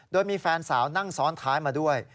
โดยมีแฟนสาวนั่งซ้อนท้ายมาด้วย